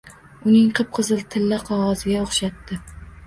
Uning qip-qizil tilla qog‘oziga o‘xshatdi.